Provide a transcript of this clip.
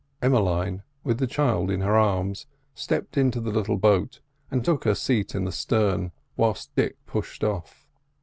Emmeline, with the child in her arms, stepped into the little boat and took her seat in the stern, whilst Dick pushed off.